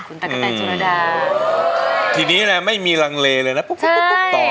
คุณตะกะเตนชูนดาทีนี้แหละไม่มีลังเลเลยน่ะใช่